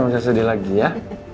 udah nggak usah sedih lagi ya